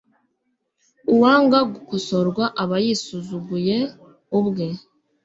Uwanga gukosorwa aba yisuzuguye ubwe